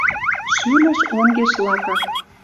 Шӱлӹш онгеш лака.